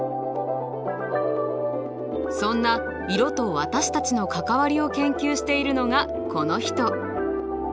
そんな色と私たちの関わりを研究しているのがこの人